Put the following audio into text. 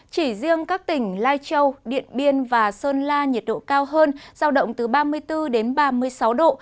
chỉ riêng các tỉnh lai châu điện biên và sơn la nhiệt độ cao hơn giao động từ ba mươi bốn đến ba mươi sáu độ